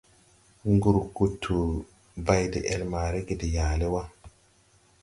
Ngurgutu bay de-ɛl ma rege de yaale wà.